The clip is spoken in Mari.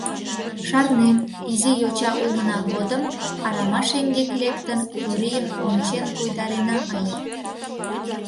Шарнем: изи йоча улмына годым, арама шеҥгек лектын, турийым ончен койдарена ыле: